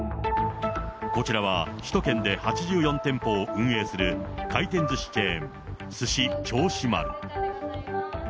こちらは、首都圏で８４店舗を運営する回転ずしチェーン、すし銚子丸。